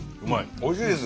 おいしいです。